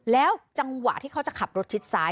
แล้วจังหวะที่เขาจะขับรถชิดซ้าย